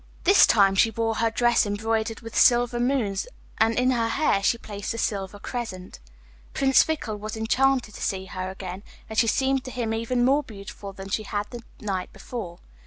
This time she wore her dress embroidered with silver moons, and in her hair she placed a silver crescent. Prince Fickle was enchanted to see her again, and she seemed to him even more beautiful than she had been the night before.